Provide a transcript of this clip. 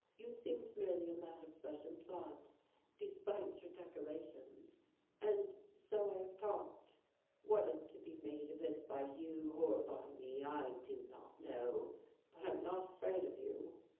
You seemed merely a man of flesh and blood, despite your decorations, and so I have talked. What is to be made of it by you or by me I do not know, but I am not afraid of you."